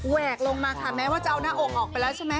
แวกลงมาค่ะแม้ว่าจะเอาหน้าอกออกไปแล้วใช่ไหม